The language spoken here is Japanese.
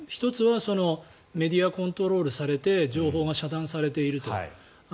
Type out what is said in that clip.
１つはメディアコントロールされて情報が遮断されていると。